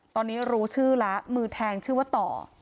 ตอนนี้รู้ชื่อแล้วมือแทงชื่อว่าต่อ